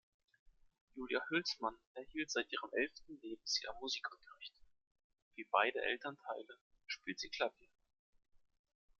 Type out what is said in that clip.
Julia Hülsmann erhielt seit ihrem elften Lebensjahr Musikunterricht; wie beide Elternteile spielt sie Klavier.